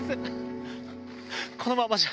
このままじゃ。